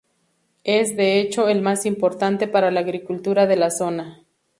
Es, de hecho, el más importante para la agricultura de la zona.